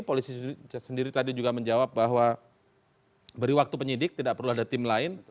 polisi sendiri tadi juga menjawab bahwa beri waktu penyidik tidak perlu ada tim lain